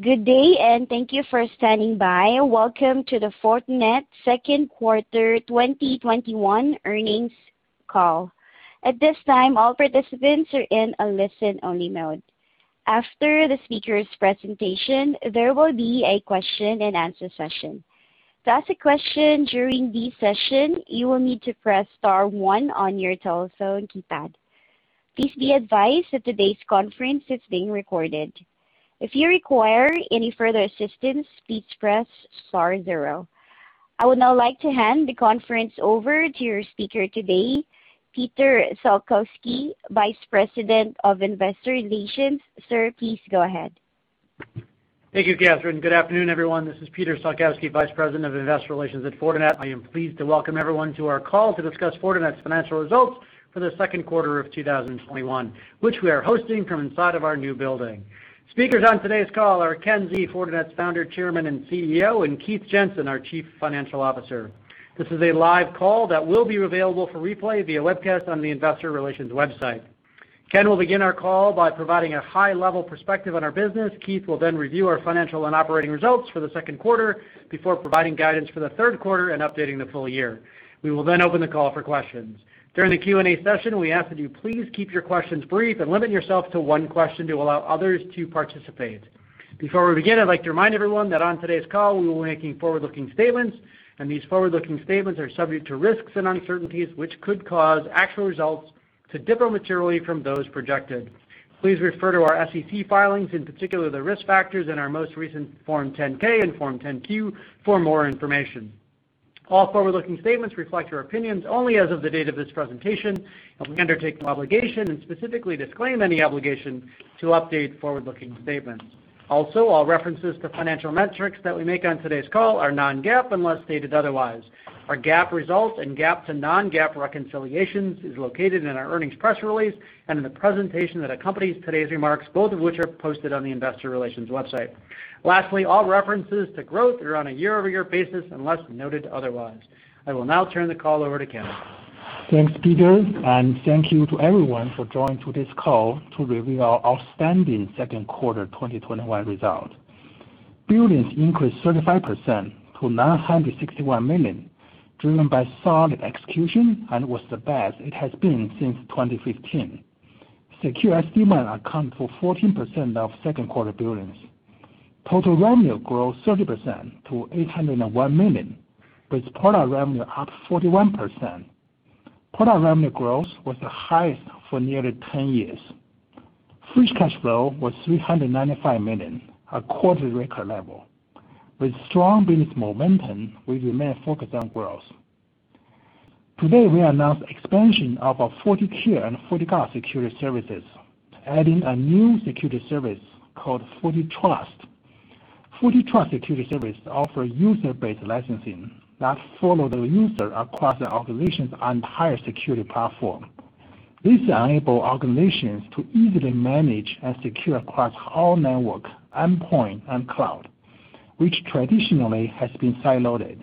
Good day, and thank you for standing by. Welcome to the Fortinet second quarter 2021 earnings call. At this time, all participants are in a listen-only mode. After the speaker's presentation, there will be a question and answer session. To ask a question during this session, you will need to press star one on your telephone keypad. Please be advised that today's conference is being recorded. If you require any further assistance, please press star zero. I would now like to hand the conference over to your speaker today, Peter Salkowski, Vice President of Investor Relations. Sir, please go ahead. Thank you, Catherine. Good afternoon, everyone. This is Peter Salkowski, Vice President of Investor Relations at Fortinet. I am pleased to welcome everyone to our call to discuss Fortinet's financial results for the second quarter of 2021, which we are hosting from inside of our new building. Speakers on today's call are Ken Xie, Fortinet's Founder, Chairman, and CEO, and Keith Jensen, our Chief Financial Officer. This is a live call that will be available for replay via webcast on the investor relations website. Ken will begin our call by providing a high-level perspective on our business. Keith will then review our financial and operating results for the second quarter before providing guidance for the third quarter and updating the full year. We will then open the call for questions. During the Q&A session, we ask that you please keep your questions brief and limit yourself to one question to allow others to participate. Before we begin, I'd like to remind everyone that on today's call, we will be making forward-looking statements, and these forward-looking statements are subject to risks and uncertainties, which could cause actual results to differ materially from those projected. Please refer to our SEC filings, in particular, the risk factors in our most recent Form 10-K and Form 10-Q for more information. All forward-looking statements reflect our opinions only as of the date of this presentation, and we undertake no obligation and specifically disclaim any obligation to update forward-looking statements. Also, all references to financial metrics that we make on today's call are non-GAAP unless stated otherwise. Our GAAP results and GAAP to non-GAAP reconciliations is located in our earnings press release and in the presentation that accompanies today's remarks, both of which are posted on the investor relations website. Lastly, all references to growth are on a year-over-year basis unless noted otherwise. I will now turn the call over to Ken. Thanks, Peter, and thank you to everyone for joining this call to review our outstanding second quarter 2021 result. Billings increased 35% to $961 million, driven by solid execution and was the best it has been since 2015. Secure SD-WAN account for 14% of second quarter billings. Total revenue grows 30% to $801 million, with product revenue up 41%. Product revenue growth was the highest for nearly 10 years. Free cash flow was $395 million, a quarter record level. With strong business momentum, we remain focused on growth. Today, we announced expansion of our FortiCare and FortiGuard security services, adding a new security service called FortiTrust. FortiTrust security service offer user-based licensing that follow the user across the organization's entire security platform. This enable organizations to easily manage and secure across all network, endpoint, and cloud, which traditionally has been siloed.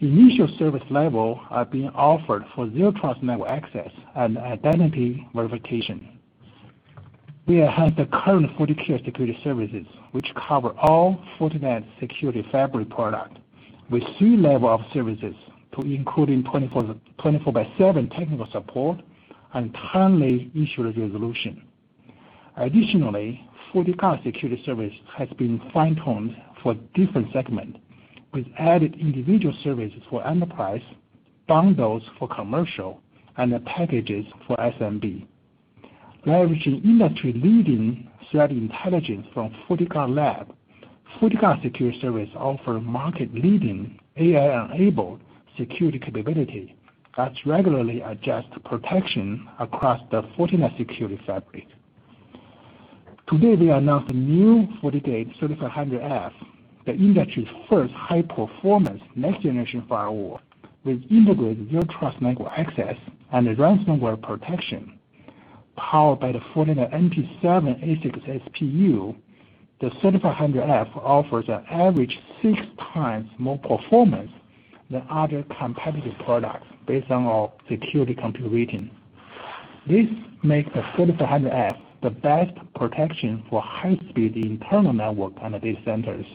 Initial service levels are being offered for Zero Trust Network Access and identity verification. We enhance the current FortiCare security services, which cover all Fortinet Security Fabric products with 3 levels of services including 24/7 technical support and timely issue resolution. Additionally, FortiGuard security services has been fine-tuned for different segments with added individual services for enterprise, bundles for commercial, and packages for SMB. Leveraging industry-leading threat intelligence from FortiGuard Labs, FortiGuard security services offer market-leading AI-enabled security capabilities that regularly adjust protection across the Fortinet Security Fabric. Today, we announced a new FortiGate 3500F, the industry's first high-performance next-generation firewall with integrated Zero Trust Network Access and ransomware protection. Powered by the Fortinet NP7 ASIC SPU, the FortiGate 3500F offers an average 6x more performance than other competitive products based on our Security Compute Rating. This makes the FortiGate 3500F the best protection for high-speed internal network and data centers.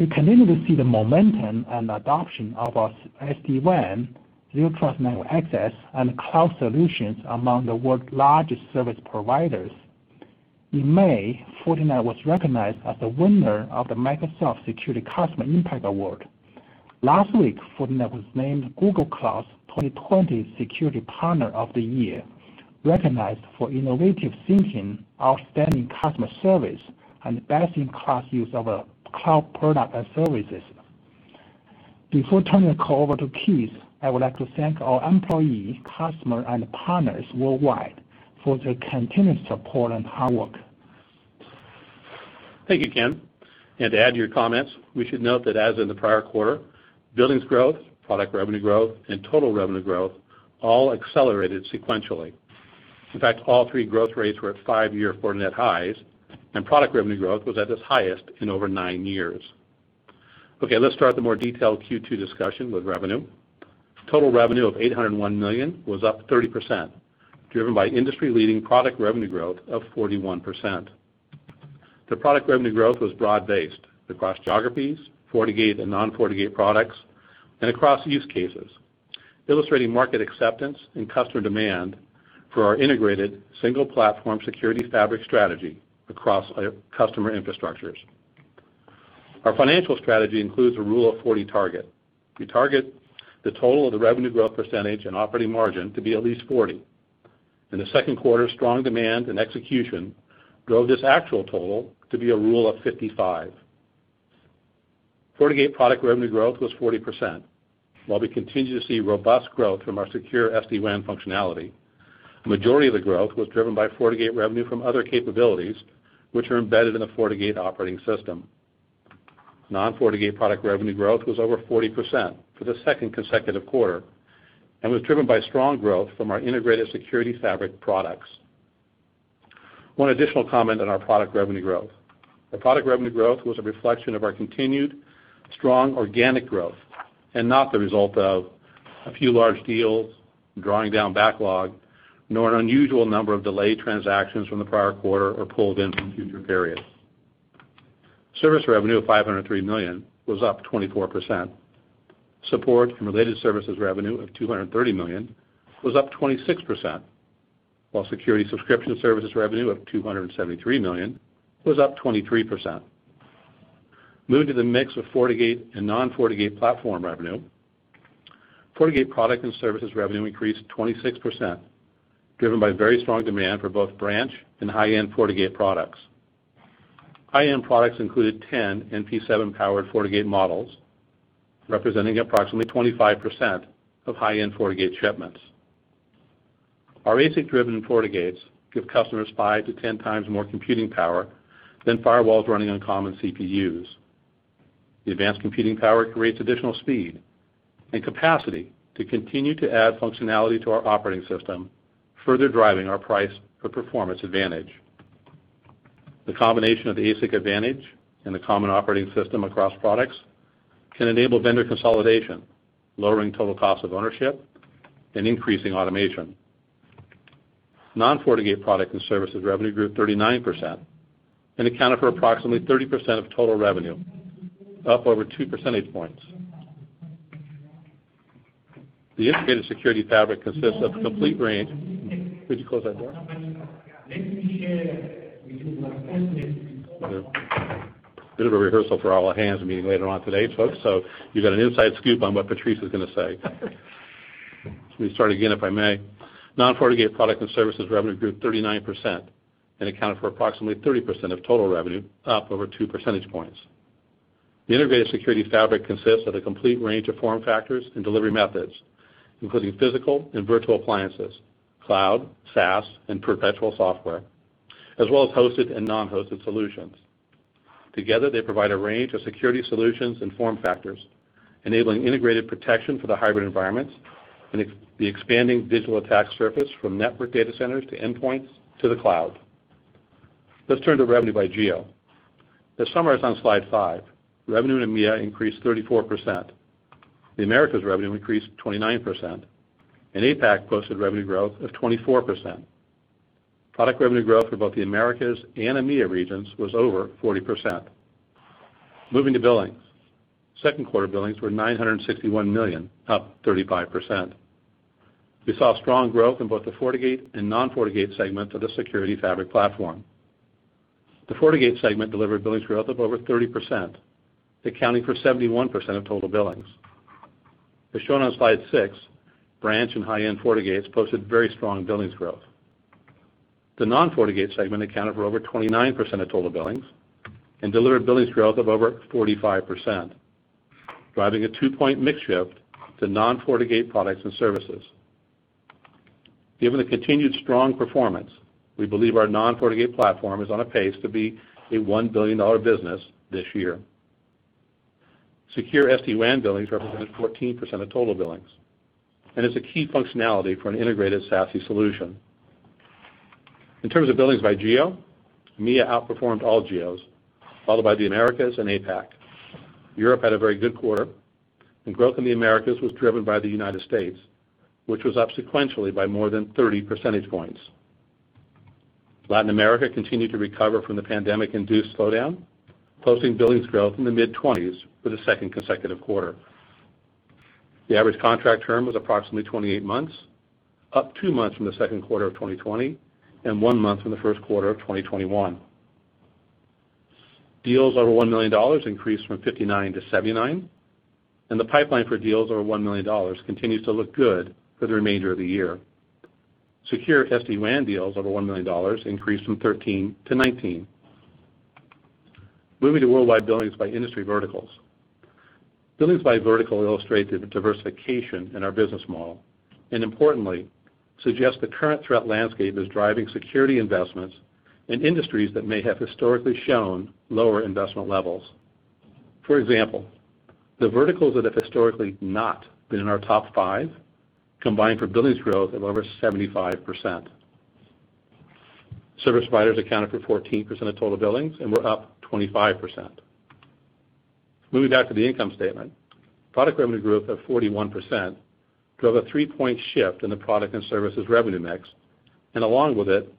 We continue to see the momentum and adoption of our SD-WAN, Zero Trust Network Access, and cloud solutions among the world's largest service providers. In May, Fortinet was recognized as the winner of the Microsoft Security Customer Impact Award. Last week, Fortinet was named Google Cloud's 2020 Security Partner of the Year, recognized for innovative thinking, outstanding customer service, and best-in-class use of cloud product and services. Before turning the call over to Keith, I would like to thank our employee, customer, and partners worldwide for their continuous support and hard work. Thank you, Ken. To add to your comments, we should note that as in the prior quarter, billings growth, product revenue growth, and total revenue growth all accelerated sequentially. In fact, all three growth rates were at five-year Fortinet highs, and product revenue growth was at its highest in over nine years. Okay, let's start the more detailed Q2 discussion with revenue. Total revenue of $801 million was up 30%, driven by industry-leading product revenue growth of 41%. The product revenue growth was broad-based across geographies, FortiGate and non-FortiGate products, and across use cases, illustrating market acceptance and customer demand for our integrated single-platform Security Fabric strategy across customer infrastructures. Our financial strategy includes a Rule of 40 target. We target the total of the revenue growth percentage and operating margin to be at least 40. In the second quarter, strong demand and execution drove this actual total to be a rule of 55. FortiGate product revenue growth was 40%. While we continue to see robust growth from our secure SD-WAN functionality, the majority of the growth was driven by FortiGate revenue from other capabilities which are embedded in the FortiGate operating system. Non-FortiGate product revenue growth was over 40% for the second consecutive quarter and was driven by strong growth from our integrated Security Fabric products. One additional comment on our product revenue growth. The product revenue growth was a reflection of our continued strong organic growth and not the result of a few large deals drawing down backlog, nor an unusual number of delayed transactions from the prior quarter or pulled in from future periods. Service revenue of $503 million was up 24%. Support and related services revenue of $230 million was up 26%, while security subscription services revenue of $273 million was up 23%. Moving to the mix of FortiGate and non-FortiGate platform revenue. FortiGate product and services revenue increased 26%, driven by very strong demand for both branch and high-end FortiGate products. High-end products included Fortinet 10 NP7-powered FortiGate models, representing approximately 25% of high-end FortiGate shipments. Our ASIC-driven FortiGates give customers 5x-10x more computing power than firewalls running on common CPUs. The advanced computing power creates additional speed and capacity to continue to add functionality to our operating system, further driving our price for performance advantage. The combination of the ASIC advantage and the common operating system across products can enable vendor consolidation, lowering total cost of ownership and increasing automation. Non-FortiGate product and services revenue grew 39% and accounted for approximately 30% of total revenue, up over 2 percentage points. The integrated Security Fabric consists of a complete range. Could you close that door? Bit of a rehearsal for our all-hands meeting later on today, folks. You get an inside scoop on what Patrice is going to say. Let me start again, if I may. Non-FortiGate product and services revenue grew 39% and accounted for approximately 30% of total revenue, up over 2 percentage points. The integrated Security Fabric consists of a complete range of form factors and delivery methods, including physical and virtual appliances, cloud, SaaS, and perpetual software, as well as hosted and non-hosted solutions. Together, they provide a range of security solutions and form factors, enabling integrated protection for the hybrid environments and the expanding digital attack surface from network data centers to endpoints to the cloud. Let's turn to revenue by geo. The summary is on slide five. Revenue in EMEA increased 34%. The Americas revenue increased 29%, and APAC posted revenue growth of 24%. Product revenue growth for both the Americas and EMEA regions was over 40%. Moving to billings. Second quarter billings were $961 million, up 35%. We saw strong growth in both the FortiGate and non-FortiGate segment of the security fabric platform. The FortiGate segment delivered billings growth of over 30%, accounting for 71% of total billings. As shown on slide six, branch and high-end FortiGates posted very strong billings growth. The non-FortiGate segment accounted for over 29% of total billings and delivered billings growth of over 45%, driving a 2-point mix shift to non-FortiGate products and services. Given the continued strong performance, we believe our non-FortiGate platform is on a pace to be a $1 billion business this year. Secure SD-WAN billings represented 14% of total billings and is a key functionality for an integrated SASE solution. In terms of billings by geo, EMEA outperformed all geos, followed by the Americas and APAC. Europe had a very good quarter. Growth in the Americas was driven by the U.S., which was up sequentially by more than 30 percentage points. Latin America continued to recover from the pandemic-induced slowdown, posting billings growth in the mid-20s for the second consecutive quarter. The average contract term was approximately 28 months, up two months from the second quarter of 2020 and one month from the first quarter of 2021. Deals over $1 million increased from 59-79, and the pipeline for deals over $1 million continues to look good for the remainder of the year. Secure SD-WAN deals over $1 million increased from 13-19. Moving to worldwide billings by industry verticals. Billings by vertical illustrate the diversification in our business model, and importantly, suggest the current threat landscape is driving security investments in industries that may have historically shown lower investment levels. For example, the verticals that have historically not been in our top five combined for billings growth of over 75%. Service providers accounted for 14% of total billings and were up 25%. Moving back to the income statement, product revenue grew up at 41%, drove a 3-point shift in the product and services revenue mix, and along with it,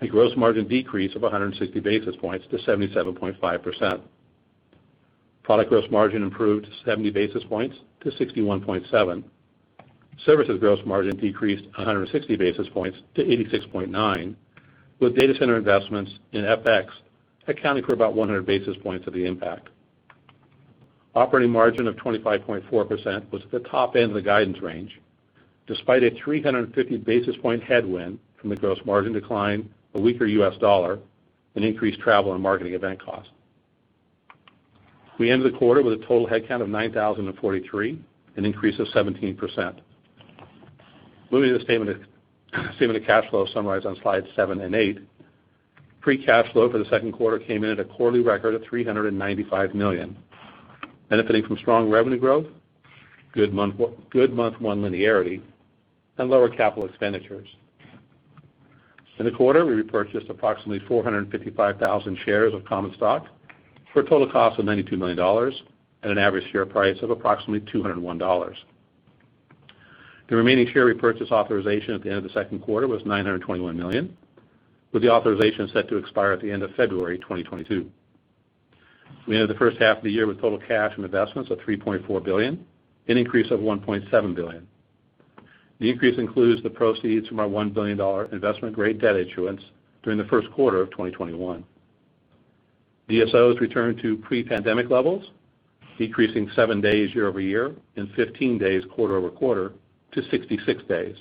a gross margin decrease of 160 basis points to 77.5%. Product gross margin improved 70 basis points to 61.7%. Services gross margin decreased 160 basis points to 86.9%, with data center investments in FX accounting for about 100 basis points of the impact. Operating margin of 25.4% was at the top end of the guidance range, despite a 350 basis point headwind from the gross margin decline, a weaker US dollar, and increased travel and marketing event costs. We ended the quarter with a total headcount of 9,043, an increase of 17%. Moving to the statement of cash flow summarized on slide eight and eight. Free cash flow for the second quarter came in at a quarterly record of $395 million, benefiting from strong revenue growth, good month one linearity, and lower capital expenditures. In the quarter, we repurchased approximately 455,000 shares of common stock for a total cost of $92 million at an average share price of approximately $201. The remaining share repurchase authorization at the end of the second quarter was $921 million, with the authorization set to expire at the end of February 2022. We ended the first half of the year with total cash and investments of $3.4 billion, an increase of $1.7 billion. The increase includes the proceeds from our $1 billion investment-grade debt issuance during the first quarter of 2021. DSOs returned to pre-pandemic levels, decreasing sevn days year-over-year and 15 days quarter-over-quarter to 66 days.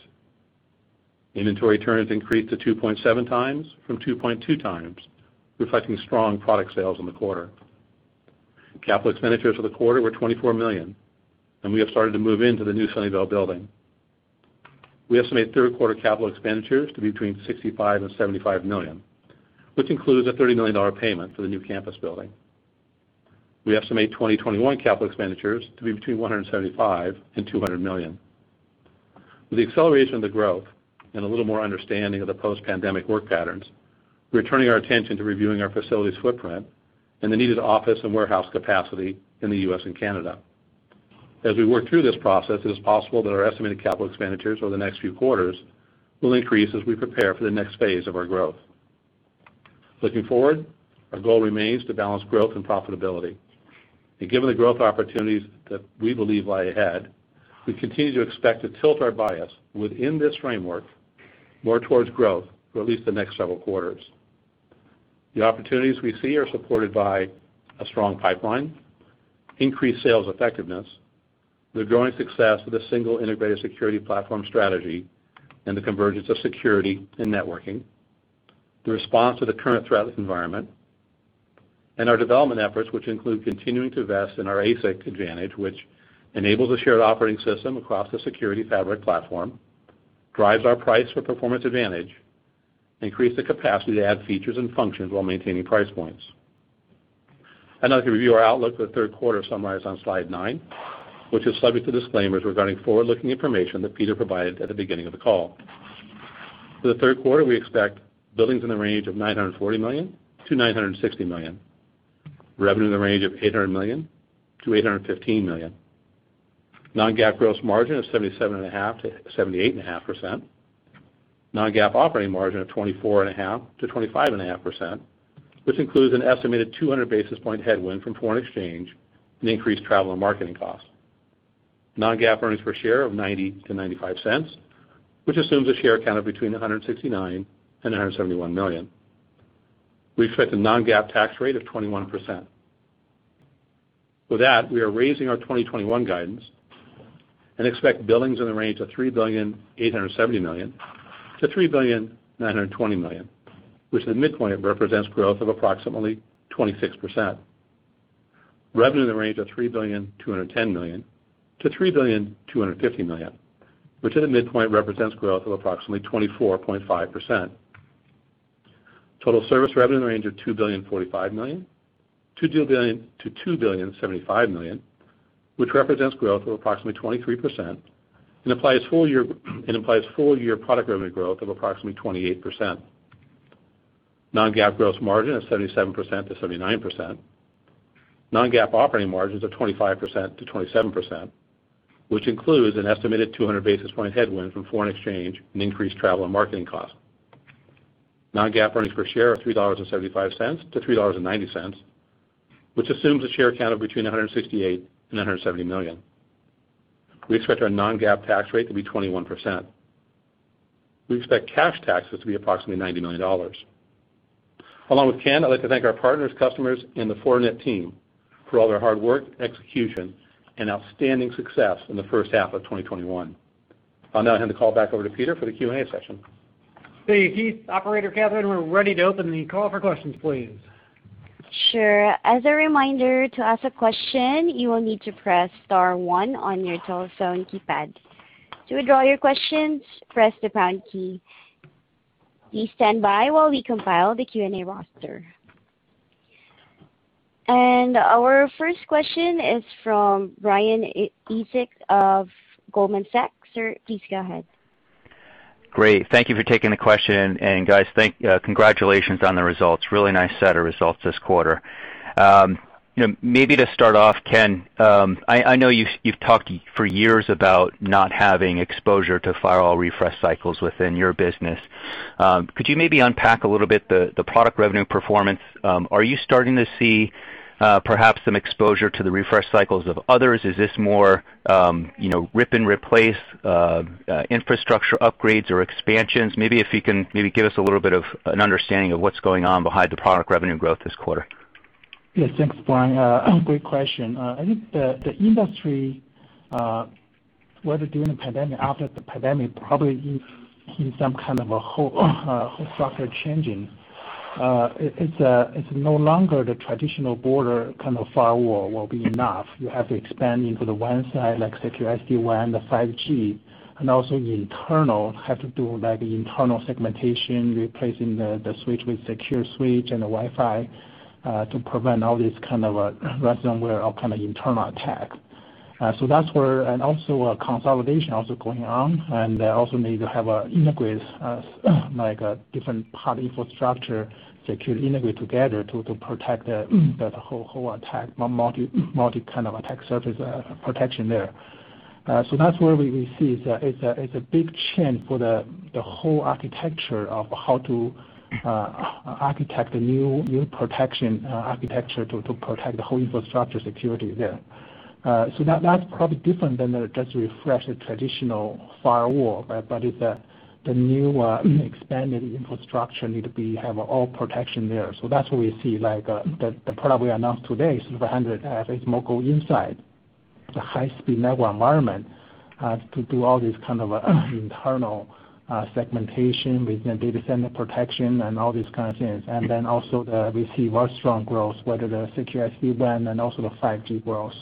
Inventory turns increased to 2.7x from 2.2x, reflecting strong product sales in the quarter. Capital expenditures for the quarter were $24 million, and we have started to move into the new Sunnyvale building. We estimate third-quarter capital expenditures to be between $65 million and $75 million, which includes a $30 million payment for the new campus building. We estimate 2021 capital expenditures to be between $175 million and $200 million. With the acceleration of the growth and a little more understanding of the post-pandemic work patterns, we are turning our attention to reviewing our facilities footprint and the needed office and warehouse capacity in the U.S. and Canada. As we work through this process, it is possible that our estimated capital expenditures over the next few quarters will increase as we prepare for the next phase of our growth. Looking forward, our goal remains to balance growth and profitability. Given the growth opportunities that we believe lie ahead, we continue to expect to tilt our bias within this framework more towards growth for at least the next several quarters. The opportunities we see are supported by a strong pipeline, increased sales effectiveness, the growing success of the single integrated security platform strategy and the convergence of security and networking, the response to the current threat environment, and our development efforts, which include continuing to invest in our ASIC advantage, which enables a shared operating system across the security fabric platform, drives our price for performance advantage, increase the capacity to add features and functions while maintaining price points. I'd now like to review our outlook for the third quarter summarized on slide 9, which is subject to disclaimers regarding forward-looking information that Peter provided at the beginning of the call. For the third quarter, we expect billings in the range of $940 million-$960 million, revenue in the range of $800 million-$815 million, non-GAAP gross margin of 77.5%-78.5%, non-GAAP operating margin of 24.5%-25.5%, which includes an estimated 200 basis point headwind from foreign exchange and increased travel and marketing costs. Non-GAAP earnings per share of $0.90-$0.95, which assumes a share count of between 169 and 171 million. We expect a non-GAAP tax rate of 21%. With that, we are raising our 2021 guidance and expect billings in the range of $3,870 million-$3,920 million, which at the midpoint represents growth of approximately 26%. Revenue in the range of $3,210 million-$3,250 million, which at the midpoint represents growth of approximately 24.5%. Total service revenue in the range of $2,045 million-$2,075 million, which represents growth of approximately 23% and implies full-year product revenue growth of approximately 28%. Non-GAAP gross margin of 77%-79%. Non-GAAP operating margins of 25%-27%, which includes an estimated 200 basis point headwind from foreign exchange and increased travel and marketing costs. Non-GAAP earnings per share of $3.75-$3.90, which assumes a share count of between 168 million and 170 million. We expect our non-GAAP tax rate to be 21%. We expect cash taxes to be approximately $90 million. Along with Ken, I'd like to thank our partners, customers, and the Fortinet team for all their hard work, execution, and outstanding success in the first half of 2021. I'll now hand the call back over to Peter for the Q&A session. Thank you, Keith. Operator Catherine, we're ready to open the call for questions, please. Sure. As a reminder to ask a question, you will need to press star one on your telephone keypad, to withdraw your questions. Press the pound key. You stand by while we compile the Q&A roster Our first question is from Brian Essex of Goldman Sachs. Sir, please go ahead. Great. Thank you for taking the question. Guys, congratulations on the results. Really nice set of results this quarter. Maybe to start off, Ken, I know you've talked for years about not having exposure to firewall refresh cycles within your business. Could you maybe unpack a little bit the product revenue performance? Are you starting to see perhaps some exposure to the refresh cycles of others? Is this more rip and replace infrastructure upgrades or expansions? Maybe if you can give us a little bit of an understanding of what's going on behind the product revenue growth this quarter. Yes, thanks, Brian. Great question. I think the industry, whether during the pandemic or after the pandemic, probably is in some kind of a whole structure changing. It's no longer the traditional border kind of firewall will be enough. You have to expand into the WAN side, like secure SD-WAN, the 5G, and also the internal, have to do like internal segmentation, replacing the switch with secure switch and the Wi-Fi to prevent all this kind of ransomware or internal attack. A consolidation also going on, and also need to have a integrate like a different part infrastructure, secure integrate together to protect the whole attack, multi kind of attack surface protection there. That's where we see it's a big change for the whole architecture of how to architect a new protection architecture to protect the whole infrastructure security there. That's probably different than just refresh the traditional firewall, but the new expanded infrastructure need to have all protection there. That's what we see, like the product we announced today, FortiGate 3500F, it's more go inside the high-speed network environment to do all this kind of internal segmentation within data center protection and all these kinds of things. Also we see very strong growth, whether the secure SD-WAN and also the 5G growth.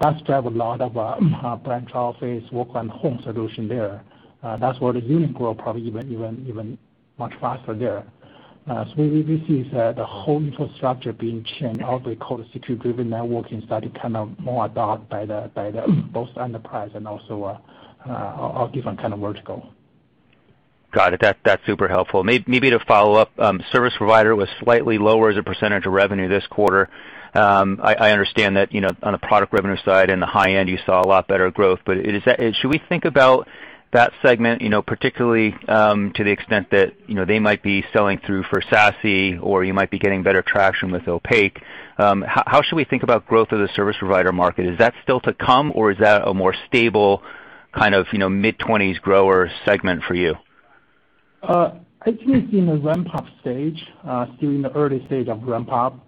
That's drive a lot of our branch office, work from home solution there. That's where the unit grow probably even much faster there. We see the whole infrastructure being changed, what we call the Security-Driven Networking started more adopt by both enterprise and also a different kind of vertical. Got it. That's super helpful. Maybe to follow up, service provider was slightly lower as a percentage of revenue this quarter. I understand that on the product revenue side and the high end, you saw a lot better growth. Should we think about that segment, particularly to the extent that they might be selling through for SASE or you might be getting better traction with OT security? How should we think about growth of the service provider market? Is that still to come, or is that a more stable kind of mid-20s grower segment for you? I think it's in the ramp-up stage, still in the early stage of ramp-up.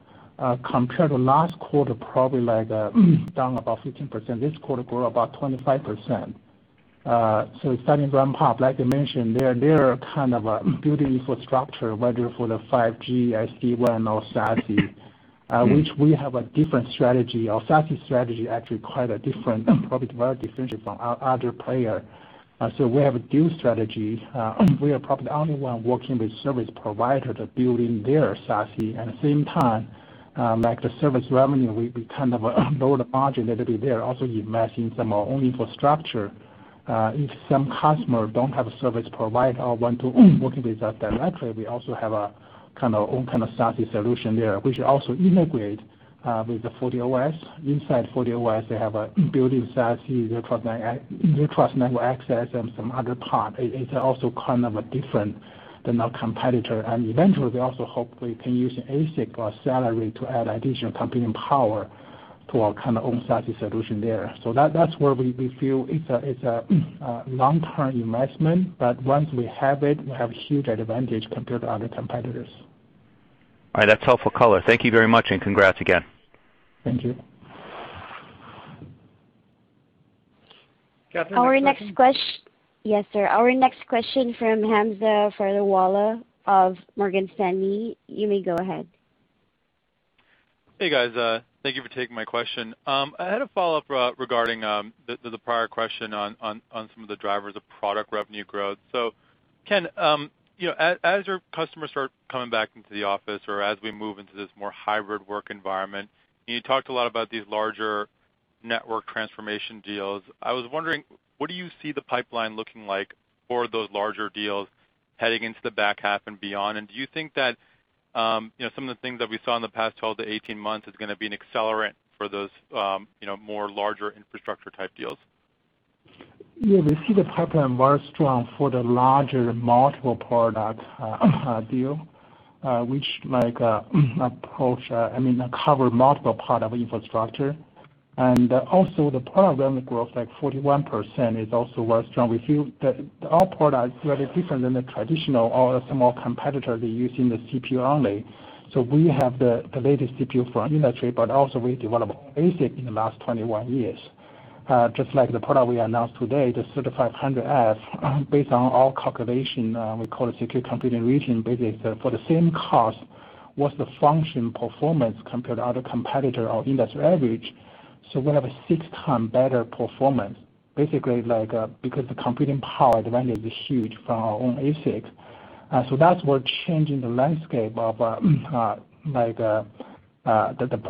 Compared to last quarter, probably like down about 15%. This quarter grew about 25%. Starting ramp-up, like I mentioned, they're building infrastructure, whether for the 5G, SD-WAN, or SASE, which we have a different strategy. Our SASE strategy actually quite different, probably very different from other player. We have a dual strategy. We are probably the only one working with service provider to build in their SASE. At the same time, like the service revenue, we kind of lower the margin a little bit there, also investing some our own infrastructure. If some customer don't have a service provider or want to working with us directly, we also have our own kind of SASE solution there, which also integrate with the FortiOS. Inside FortiOS, they have a built-in SASE, Zero Trust Network Access, and some other part. It's also kind of different than our competitor. Eventually, we also hope we can use an ASIC or SoC to add additional computing power to our own SASE solution there. That's where we feel it's a long-term investment, but once we have it, we have huge advantage compared to other competitors. All right. That's helpful color. Thank you very much, and congrats again. Thank you. Yes, sir. Our next question from Hamza Fodderwala of Morgan Stanley. You may go ahead. Hey, guys. Thank you for taking my question. I had a follow-up regarding the prior question on some of the drivers of product revenue growth. Ken, as your customers start coming back into the office or as we move into this more hybrid work environment, you talked a lot about these larger network transformation deals. I was wondering, what do you see the pipeline looking like for those larger deals heading into the back half and beyond? Do you think that some of the things that we saw in the past 12-18 months is going to be an accelerant for those more larger infrastructure type deals? Yeah, we see the pipeline very strong for the larger multiple product deal, which cover multiple part of infrastructure. The program growth, like 41%, is also very strong. We feel that our product is very different than the traditional or some more competitor they use in the CPU only. We have the latest CPU from industry. We develop ASIC in the last 21 years. Just like the product we announced today, the FortiGate 3500F, based on our calculation, we call it Security Compute Rating, basically for the same cost, what's the function performance compared to other competitor or industry average. We have a six-time better performance, basically because the computing power advantage is huge from our own ASIC. That's what changing the landscape of the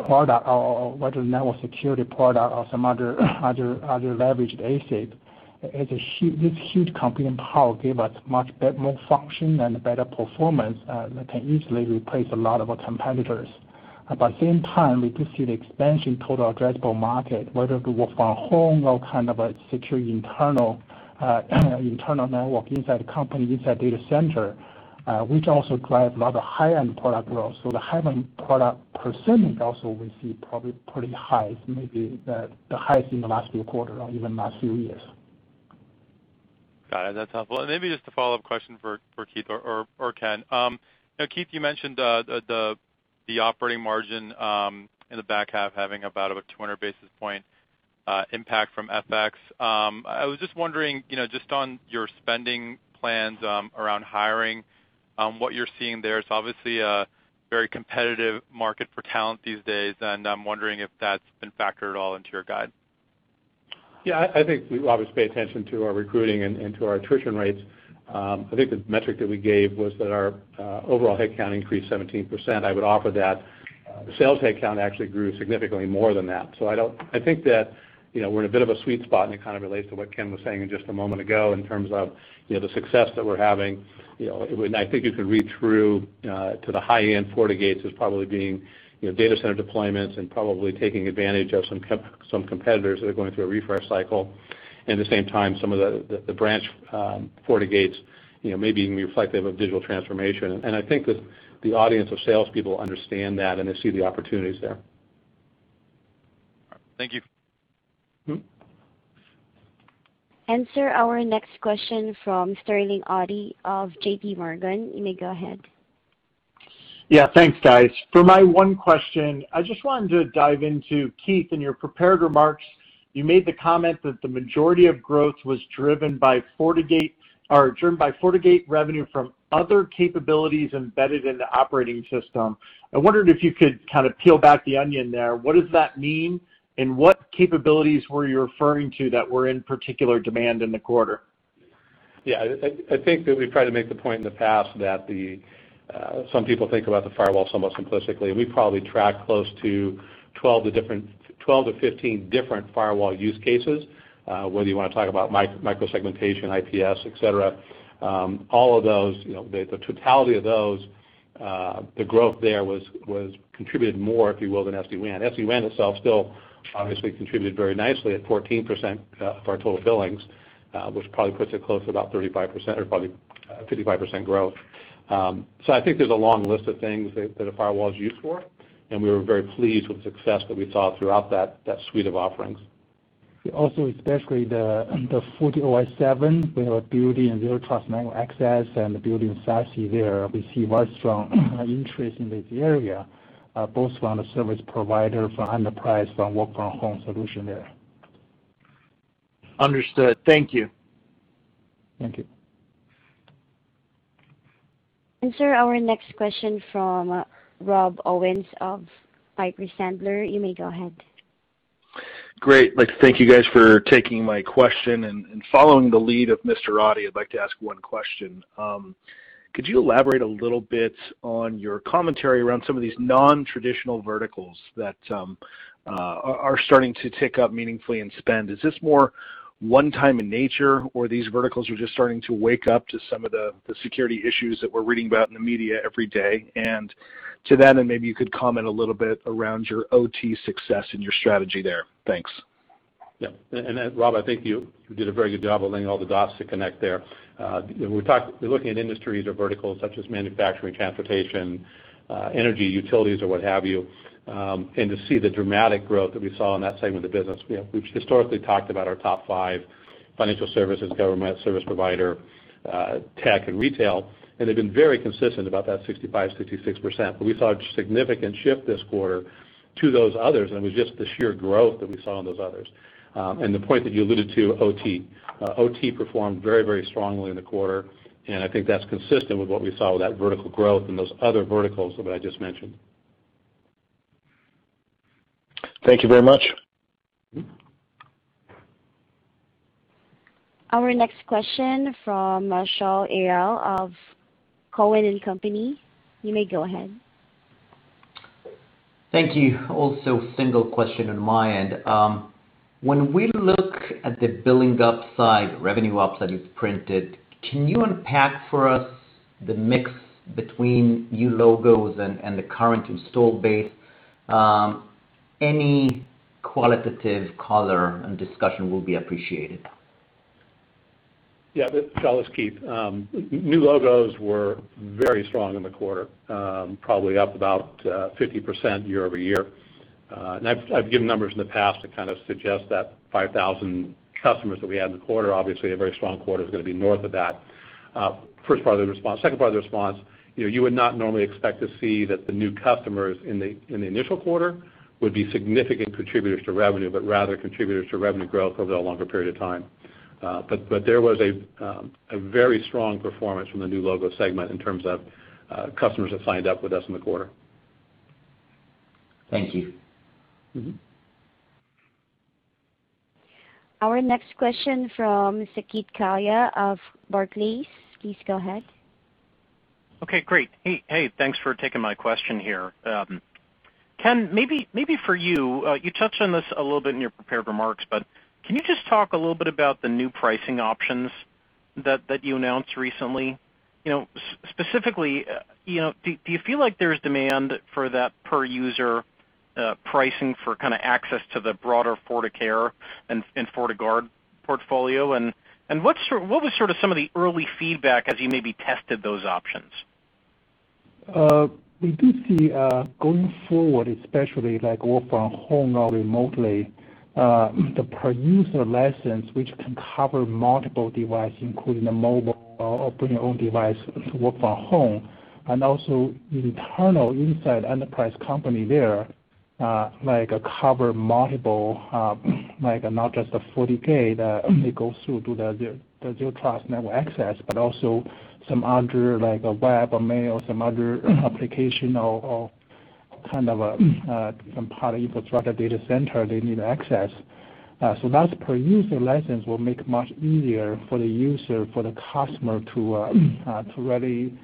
product or whether network security product or some other leveraged ASIC. This huge computing power gave us much more function and better performance that can easily replace a lot of our competitors. Same time, we do see the expansion total addressable market, whether it be work from home or kind of a secure internal network inside the company, inside data center, which also drive a lot of high-end product growth. The high-end product percentage also we see probably pretty high, maybe the highest in the last few quarter or even last few years. Got it. That's helpful. Maybe just a follow-up question for Keith or Ken. Now, Keith, you mentioned the operating margin in the back half having about a 200 basis point impact from FX. I was just wondering, just on your spending plans around hiring, what you're seeing there. It's obviously a very competitive market for talent these days, and I'm wondering if that's been factored at all into your guide. Yeah, I think we obviously pay attention to our recruiting and to our attrition rates. I think the metric that we gave was that our overall headcount increased 17%. I would offer that the sales headcount actually grew significantly more than that. I think that we're in a bit of a sweet spot, and it kind of relates to what Ken was saying just a moment ago in terms of the success that we're having. I think you could read through to the high-end FortiGates as probably being data center deployments and probably taking advantage of some competitors that are going through a refresh cycle. At the same time, some of the branch FortiGates maybe even reflective of digital transformation. I think that the audience of salespeople understand that, and they see the opportunities there. Thank you. Sir, our next question from Sterling Auty of JPMorgan. You may go ahead. Yeah, thanks guys. For my one question, I just wanted to dive into, Keith, in your prepared remarks, you made the comment that the majority of growth was driven by FortiGate revenue from other capabilities embedded in the operating system. I wondered if you could kind of peel back the onion there. What does that mean, and what capabilities were you referring to that were in particular demand in the quarter? I think that we've tried to make the point in the past that some people think about the firewall somewhat simplistically. We probably track close to 12-15 different firewall use cases, whether you want to talk about micro-segmentation, IPS, et cetera. All of those, the totality of those, the growth there was contributed more, if you will, than SD-WAN. SD-WAN itself still obviously contributed very nicely at 14% of our total billings, which probably puts it close to about 35% or probably 55% growth. I think there's a long list of things that a firewall is used for, and we were very pleased with the success that we saw throughout that suite of offerings. Especially the FortiOS 7.0, we are building Zero Trust Network Access and building SASE there. We see very strong interest in this area, both from the service provider for enterprise, for work from home solution there. Understood. Thank you. Thank you. Sir, our next question from Rob Owens of Piper Sandler. You may go ahead. Great. Like to thank you guys for taking my question, and following the lead of Mr. Auty, I'd like to ask one question. Could you elaborate a little bit on your commentary around some of these non-traditional verticals that are starting to tick up meaningfully in spend? Is this more one time in nature, or these verticals are just starting to wake up to some of the security issues that we're reading about in the media every day? To that, and maybe you could comment a little bit around your OT success and your strategy there. Thanks. Yeah. Rob, I think you did a very good job of laying all the dots to connect there. We're looking at industries or verticals such as manufacturing, transportation, energy, utilities, or what have you, and to see the dramatic growth that we saw in that segment of the business. We've historically talked about our top five, financial services, government, service provider, tech, and retail, and they've been very consistent about that 65%-66%. We saw a significant shift this quarter to those others, and it was just the sheer growth that we saw in those others. The point that you alluded to, OT. OT performed very strongly in the quarter, and I think that's consistent with what we saw with that vertical growth and those other verticals that I just mentioned. Thank you very much. Our next question from Shaul Eyal of Cowen and Company. You may go ahead. Thank you. Single question on my end. When we look at the billing up-side, revenue up that you've printed, can you unpack for us the mix between new logos and the current installed base? Any qualitative color and discussion will be appreciated. Yeah, this is Keith. New logos were very strong in the quarter, probably up about 50% year-over-year. I've given numbers in the past to kind of suggest that 5,000 customers that we had in the quarter, obviously a very strong quarter, is going to be north of that. First part of the response. Second part of the response, you would not normally expect to see that the new customers in the initial quarter would be significant contributors to revenue, but rather contributors to revenue growth over a longer period of time. There was a very strong performance from the new logo segment in terms of customers that signed up with us in the quarter. Thank you. Our next question from Saket Kalia of Barclays. Saket, go ahead. Okay, great. Hey. Thanks for taking my question here. Ken, maybe for you touched on this a little bit in your prepared remarks, but can you just talk a little bit about the new pricing options that you announced recently? Specifically, do you feel like there's demand for that per user pricing for kind of access to the broader FortiCare and FortiGuard portfolio? What was sort of some of the early feedback as you maybe tested those options? We do see, going forward, especially like work from home or remotely, the per user license, which can cover multiple device, including a mobile or bring your own device to work from home, and also internal inside enterprise company there, like cover multiple, not just the FortiGate, it goes through to the Zero Trust Network Access, but also some other, like a web or mail, some other application or kind of some part of infrastructure data center they need access. That per user license will make much easier for the user, for the customer to really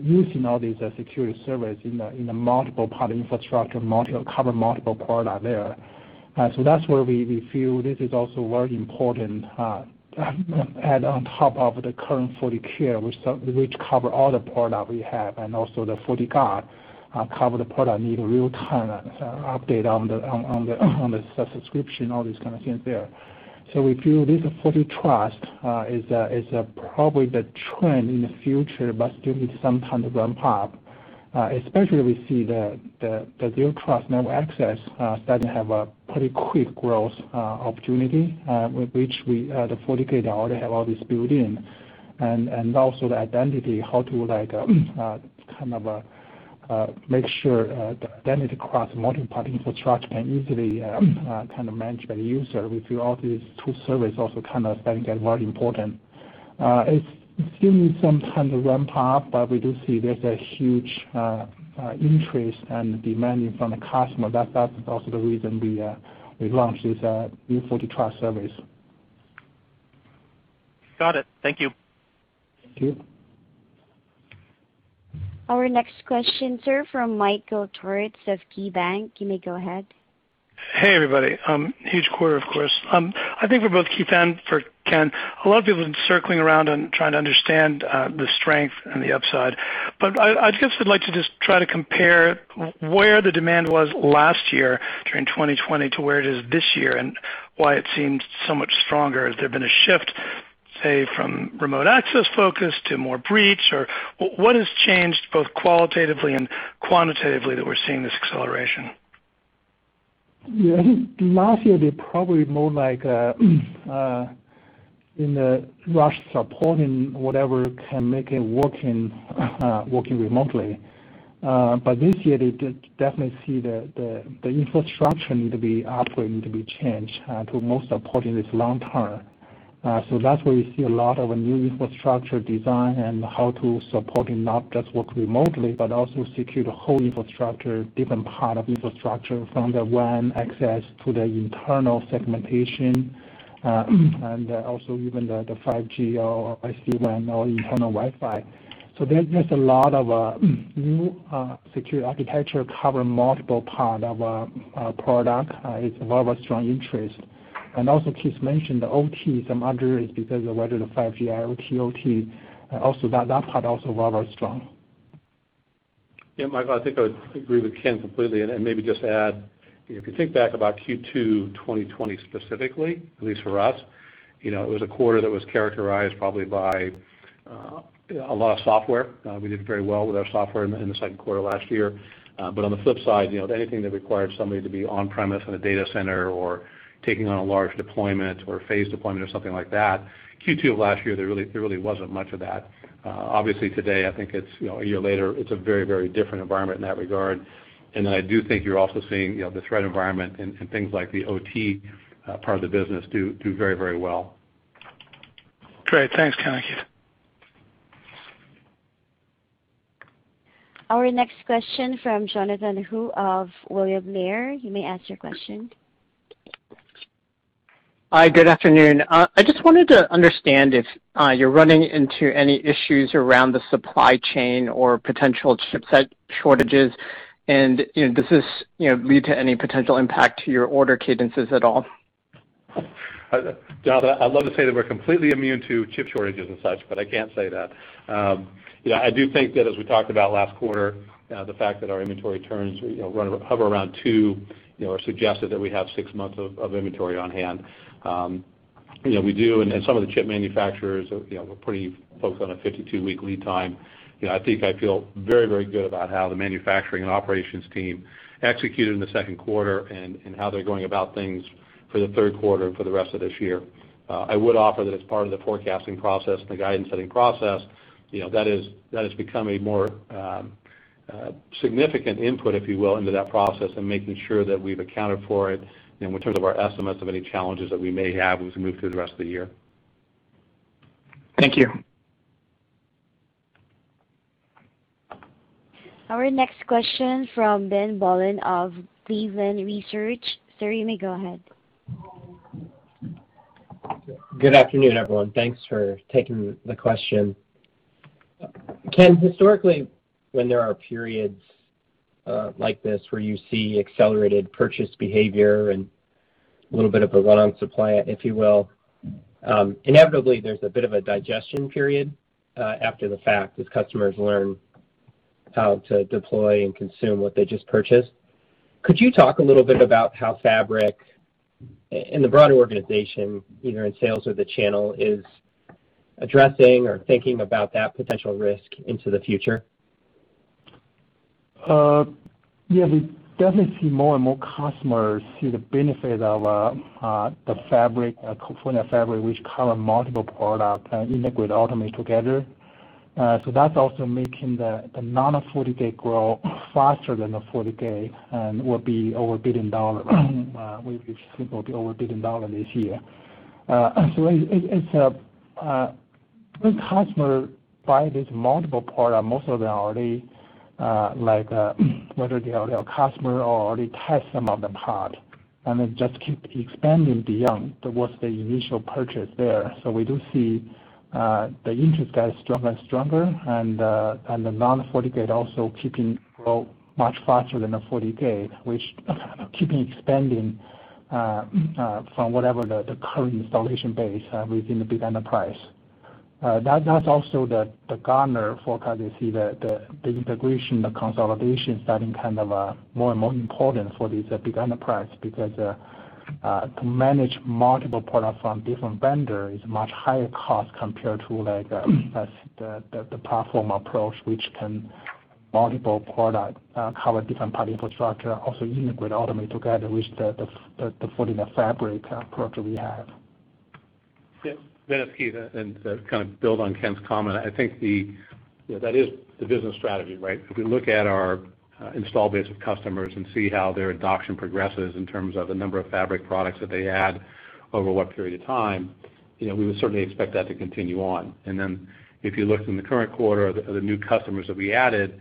using all these security service in the multiple part infrastructure, cover multiple product there. That's where we feel this is also very important add on top of the current FortiCare, which cover all the product we have, and also the FortiGuard cover the product need real time update on the subscription, all these kind of things there. We feel this Zero Trust is probably the trend in the future, but still need some time to ramp up. Especially we see the Zero Trust Network Access starting to have a pretty quick growth opportunity, with which the FortiGate already have all this built in. Also the identity, how to make sure the identity across multiple part infrastructure can easily be managed by the user. We feel all these two service also kind of starting to get very important. It still needs some time to ramp up, but we do see there's a huge interest and demanding from the customer. That's also the reason we launched this new Zero Trust service. Got it. Thank you. Thank you. Our next question, sir, from Michael Turits of KeyBanc Capital Markets. You may go ahead. Hey, everybody. Huge quarter, of course. I think for both Keith and for Ken, a lot of people have been circling around and trying to understand the strength and the upside. I guess I'd like to just try to compare where the demand was last year during 2020 to where it is this year, and why it seems so much stronger. Has there been a shift, say, from remote access focus to more breach, or what has changed both qualitatively and quantitatively that we're seeing this acceleration? I think last year they probably more like in the rush supporting whatever can make it working remotely. This year they definitely see the infrastructure need to be, hardware need to be changed to more supporting this long-term. That's where you see a lot of new infrastructure design and how to support and not just work remotely, but also secure the whole infrastructure, different part of infrastructure from the WAN access to the internal segmentation, and also even the 5G or SD-WAN or internal Wi-Fi. There's just a lot of new secure architecture covering multiple part of our product. It's very strong interest. Also, Saket mentioned the OT, some other is because of whether the 5G or OT. That part also very strong. Michael, I think I would agree with Ken completely and maybe just add, if you think back about Q2 2020 specifically, at least for us, it was a quarter that was characterized probably by a lot of software. We did very well with our software in the second quarter last year. On the flip side, anything that required somebody to be on premise in a data center or taking on a large deployment or phase deployment or something like that, Q2 of last year, there really wasn't much of that. Obviously, today, I think it's a year later, it's a very different environment in that regard. I do think you're also seeing the threat environment and things like the OT part of the business do very well. Great. Thanks, Ken and Keith. Our next question from Jonathan Ho of William Blair. You may ask your question. Hi, good afternoon. I just wanted to understand if you're running into any issues around the supply chain or potential chipset shortages, and does this lead to any potential impact to your order cadences at all? Jonathan, I'd love to say that we're completely immune to chip shortages and such, but I can't say that. I do think that as we talked about last quarter, the fact that our inventory turns hover around two, suggested that we have six months of inventory on hand. We do, and some of the chip manufacturers, we're pretty focused on a 52-week lead time. I think I feel very good about how the manufacturing and operations team executed in the second quarter and how they're going about things for the third quarter and for the rest of this year. I would offer that as part of the forecasting process and the guidance setting process, that has become a more significant input, if you will, into that process and making sure that we've accounted for it in terms of our estimates of any challenges that we may have as we move through the rest of the year. Thank you. Our next question from Ben Bollin of Cleveland Research. Sir, you may go ahead. Good afternoon, everyone. Thanks for taking the question. Ken, historically, when there are periods like this where you see accelerated purchase behavior and a little bit of a run on supply, if you will, inevitably, there's a bit of a digestion period after the fact as customers learn how to deploy and consume what they just purchased. Could you talk a little bit about how Fabric and the broader organization, either in sales or the channel, is addressing or thinking about that potential risk into the future? Yeah. We definitely see more and more customers see the benefit of the Fortinet Security Fabric, which cover multiple products and integrate, automate together. That's also making the non-FortiGate grow faster than the FortiGate and will be over $1 billion. We believe simple be over $1 billion this year. When customers buy these multiple products, most of them are already, whether they are customer or already test some of the parts, and then just keep expanding beyond what's the initial purchase there. We do see the interest gets stronger and stronger and the non-FortiGate also keeping grow much faster than the FortiGate, which keeping expanding from whatever the current installation base within the big enterprise. That's also the Gartner forecast. You see the integration, the consolidation starting more and more important for these big enterprise. To manage multiple products from different vendor is much higher cost compared to the platform approach which can multiple product, cover different part infrastructure, also integrate, automate together with the Fortinet Fabric approach that we have. Yes. Ben, it's Keith. To kind of build on Ken's comment, I think that is the business strategy. If we look at our install base of customers and see how their adoption progresses in terms of the number of Fabric products that they add over what period of time, we would certainly expect that to continue on. Then if you looked in the current quarter of the new customers that we added,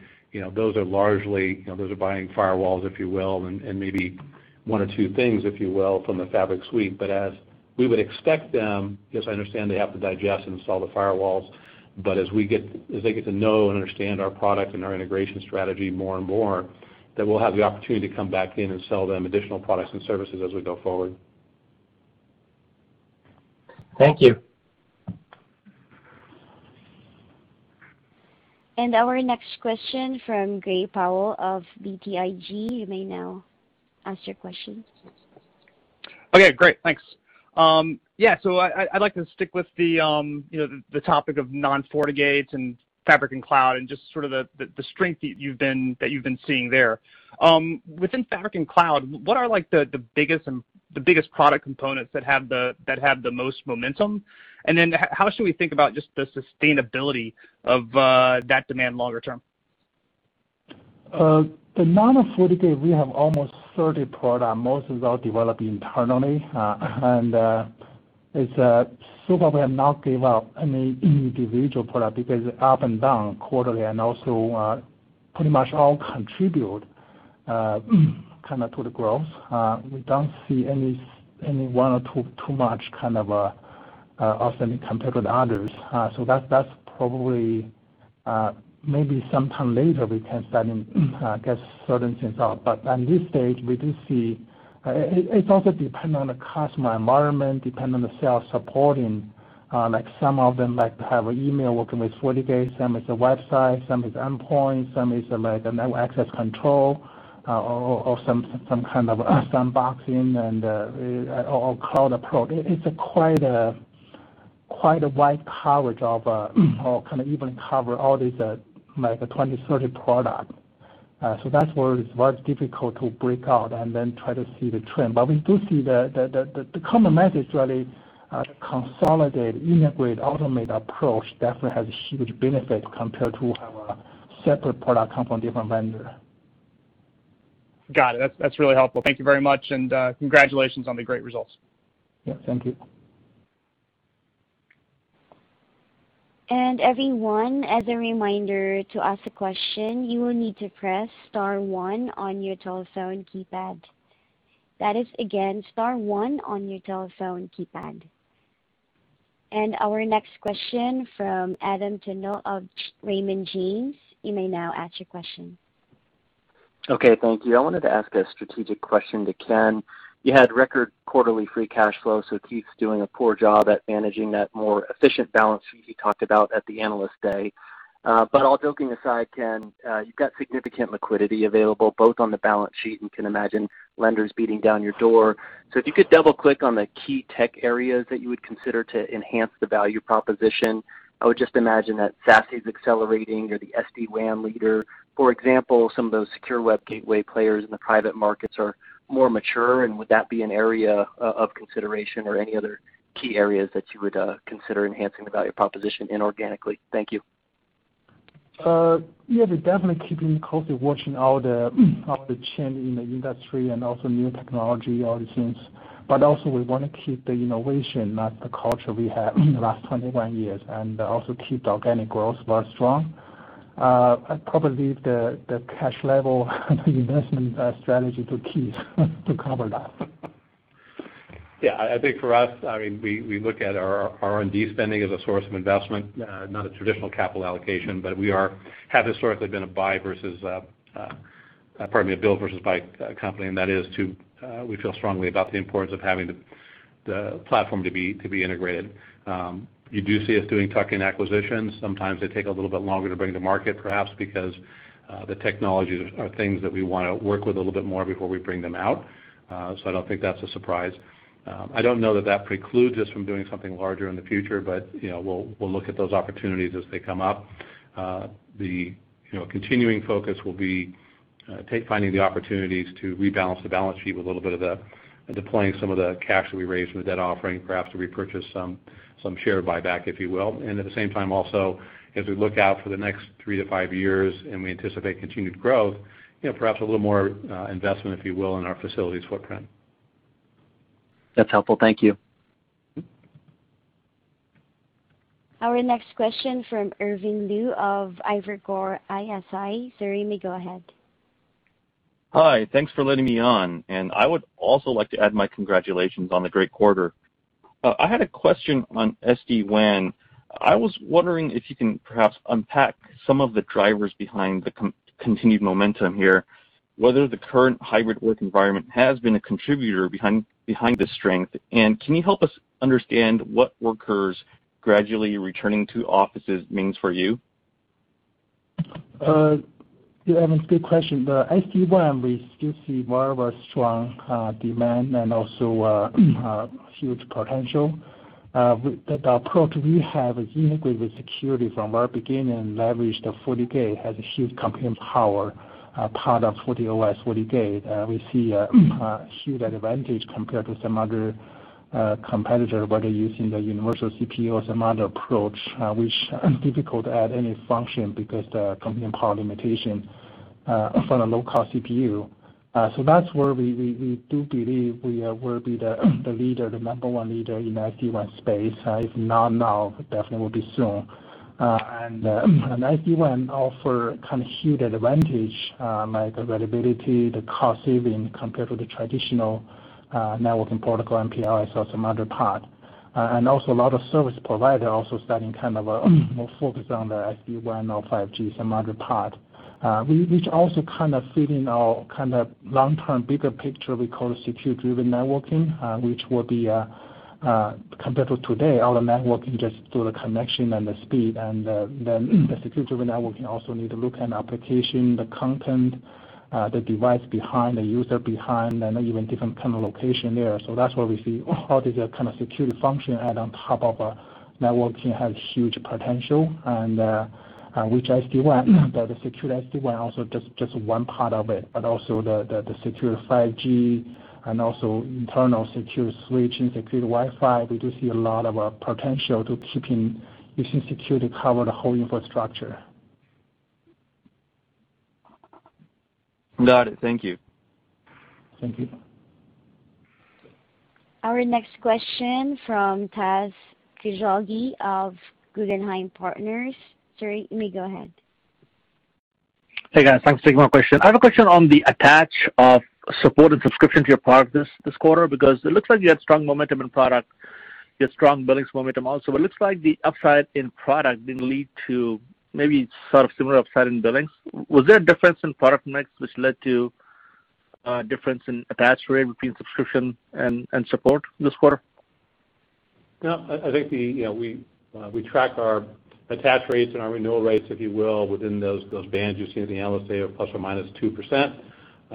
those are buying firewalls, if you will, and maybe one or two things, if you will, from the Fabric suite. As we would expect them, because I understand they have to digest and install the firewalls, but as they get to know and understand our product and our integration strategy more and more, then we'll have the opportunity to come back in and sell them additional products and services as we go forward. Thank you. Our next question from Gray Powell of BTIG. You may now ask your question. Okay, great. Thanks. Yeah. I'd like to stick with the topic of non-FortiGates and Fabric and Cloud and just sort of the strength that you've been seeing there. Within Fabric and Cloud, what are the biggest product components that have the most momentum? How should we think about just the sustainability of that demand longer term? The non-FortiGate, we have almost 30 product, most of those developed internally. It's super, we have not give up any individual product because up and down quarterly and also pretty much all contribute to the growth. We don't see any one or two too much kind of outstanding compared with others. That's probably, maybe sometime later we can sort things out. At this stage, it's also dependent on the customer environment, depend on the sales supporting. Like some of them like to have an email working with FortiGate, some is a website, some is endpoint, some is like a network access control or some kind of sandboxing and cloud approach. It's quite a wide coverage of, or kind of even cover all these, like 20, 30 product. That's where it's very difficult to break out and then try to see the trend. We do see the common message, really, the consolidate, integrate, automate approach definitely has a huge benefit compared to have a separate product come from different vendor. Got it. That's really helpful. Thank you very much, and congratulations on the great results. Yeah, thank you. And everyone, as a reminder, to ask a question, you will need to press star one on your telephone keypad. That is, again, star one on your telephone keypad. And our next question from Adam Tindle of Raymond James. You may now ask your question. Okay, thank you. I wanted to ask a strategic question to Ken. You had record quarterly free cash flow, Keith's doing a poor job at managing that more efficient balance sheet he talked about at the Analyst Day. All joking aside, Ken, you've got significant liquidity available both on the balance sheet, and can imagine lenders beating down your door. If you could double-click on the key tech areas that you would consider to enhance the value proposition. I would just imagine that SASE is accelerating. You're the SD-WAN leader. For example, some of those secure web gateway players in the private markets are more mature, and would that be an area of consideration or any other key areas that you would consider enhancing the value proposition inorganically? Thank you. Yeah, we're definitely keeping closely watching all the change in the industry and also new technology, all the things. Also we want to keep the innovation, that's the culture we have the last 21 years, and also keep the organic growth very strong. I'd probably leave the cash level investment strategy to Keith to cover that. Yeah. I think for us, we look at our R&D spending as a source of investment, not a traditional capital allocation. We have historically been a build versus buy company. We feel strongly about the importance of having the platform to be integrated. You do see us doing tuck-in acquisitions. Sometimes they take a little bit longer to bring to market, perhaps because the technologies are things that we want to work with a little bit more before we bring them out. I don't think that's a surprise. I don't know that that precludes us from doing something larger in the future, but we'll look at those opportunities as they come up. The continuing focus will be finding the opportunities to rebalance the balance sheet with a little bit of the deploying some of the cash that we raised from the debt offering, perhaps to repurchase some share buyback, if you will. At the same time, also, as we look out for the next three to five years, and we anticipate continued growth, perhaps a little more investment, if you will, in our facilities footprint. That's helpful. Thank you. Our next question from Irvin Liu of Evercore ISI. Sir, you may go ahead. Hi. Thanks for letting me on, and I would also like to add my congratulations on the great quarter. I had a question on SD-WAN. I was wondering if you can perhaps unpack some of the drivers behind the continued momentum here, whether the current hybrid work environment has been a contributor behind the strength, and can you help us understand what workers gradually returning to offices means for you? Irvin, good question. The SD-WAN, we still see very strong demand and also a huge potential. The approach we have is integrated with security from our beginning leverage. The FortiGate has a huge computing power part of FortiOS, FortiGate. We see a huge advantage compared to some other competitor, whether using the universal CPU or some other approach, which are difficult to add any function because the computing power limitation for the low-cost CPU. That's where we do believe we will be the number one leader in SD-WAN space. If not now, definitely will be soon. SD-WAN offer huge advantage, like availability, the cost saving compared to the traditional networking protocol MPLS or some other part. A lot of service provider also starting more focus on the SD-WAN or 5G, some other part, which also fit in our long-term bigger picture we call Security-Driven Networking, which will be, compared to today, all the networking just do the connection and the speed, then the Security-Driven Networking also need to look at application, the content, the device behind, the user behind, and even different location there. That's where we see all these security function add on top of a networking has huge potential. Which SD-WAN, but the secure SD-WAN also just one part of it. The secure 5G and also internal secure switching, secure Wi-Fi, we do see a lot of potential to keeping using security cover the whole infrastructure. Got it. Thank you. Thank you. Our next question from Imtiaz Koujalgi of Guggenheim Partners. Sir, you may go ahead. Hey, guys. Thanks. One more question. I have a question on the attach of support and subscription to your product this quarter, because it looks like you had strong momentum in product, you had strong billings momentum also, but it looks like the upside in product didn't lead to maybe sort of similar upside in billings. Was there a difference in product mix which led to a difference in attach rate between subscription and support this quarter? I think we track our attach rates and our renewal rates, if you will, within those bands you see in the analysis of ±2%.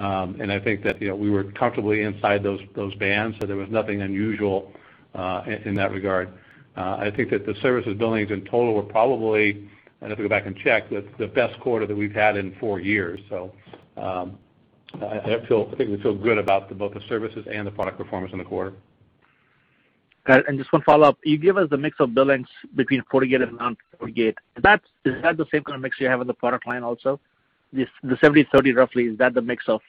I think that we were comfortably inside those bands, so there was nothing unusual in that regard. I think that the services billings in total were probably, I'd have to go back and check, the best quarter that we've had in four years. I think we feel good about both the services and the product performance in the quarter. Got it. Just one follow-up. You gave us the mix of billings between FortiGate and non-FortiGate. Is that the same kind of mix you have in the product line also? The 70/30 roughly, is that the mix of